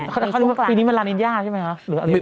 เขาอย่างนึงบอกว่าปีนี้มันหรือย่าใช่ไหมครับ